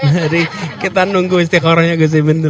jadi kita nunggu istiqorohnya gusimin dulu